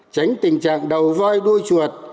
tránh tình trạng đầu voi đuôi chuột